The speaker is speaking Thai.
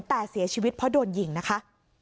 แต่เสียชีวิตเพราะโดนยิงนะคะ